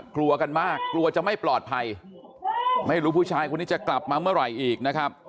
กลัวกันมากกลัวจะไม่ปลอดภัยไม่รู้ผู้ชายคนนี้จะกลับมาเมื่อไหร่อีกนะครับ